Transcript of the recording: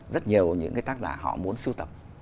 rất nhiều những cái tác giả họ muốn sưu tập